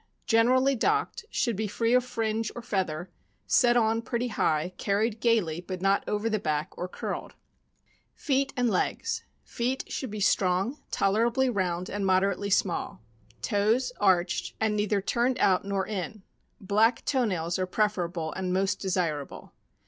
— Generally docked; should be free of fringe or feather, set on pretty high, carried gaily, but not over the back or curled . Feet and legs. — Feet should be strong, tolerably round, and moderately small; toes arched, and neither turned out nor in; black toe nails are preferable and most desirable.